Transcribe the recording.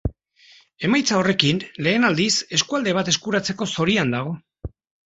Emaitza horrekin lehen aldiz eskualde bat eskuratzeko zorian dago.